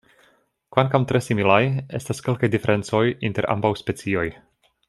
Kvankam tre similaj, estas kelkaj diferencoj inter ambaŭ specioj.